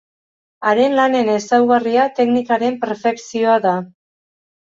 Haren lanen ezaugarria teknikaren perfekzioa da.